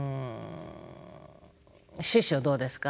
師匠どうですか？